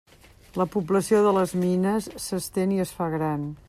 La població de les mines s'estén i es fa gran.